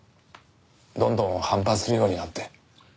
どんどん反発するようになって。